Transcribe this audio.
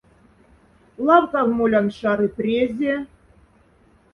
Лавкав молян — шары прязе.